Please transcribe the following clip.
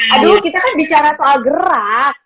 aduh kita kan bicara soal gerak